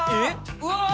うわ！